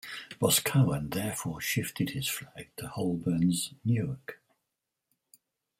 Boscawen therefore shifted his flag to Holburne's "Newark".